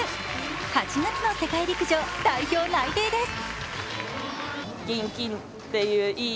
８月の世界陸上代表内定です。